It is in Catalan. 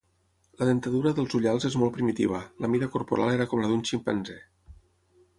La dentadura dels ullals és molt primitiva, la mida corporal era com la d'un ximpanzé.